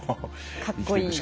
かっこいい。